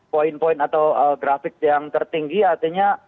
poin poin atau grafik yang tertinggi artinya